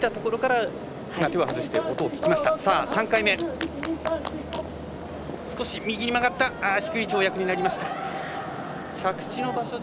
３回目、少し右に曲がった低い跳躍になりました。